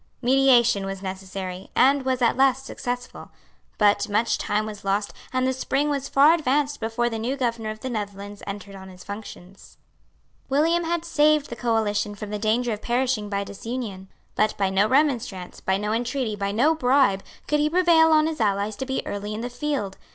Mediation was necessary, and was at last successful. But much time was lost; and the spring was far advanced before the new Governor of the Netherlands entered on his functions. William had saved the coalition from the danger of perishing by disunion. But by no remonstrance, by no entreaty, by no bribe, could he prevail on his allies to be early in the field.